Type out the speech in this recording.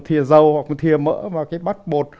một thịa dầu hoặc một thịa mỡ vào cái bát bột